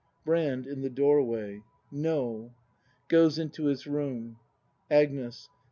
Brand. [In the doorway.] No. [Goes into his room. Agnes.